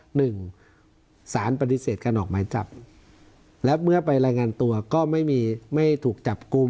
หนึ่งสารปฏิเสธการออกหมายจับและเมื่อไปรายงานตัวก็ไม่มีไม่ถูกจับกลุ่ม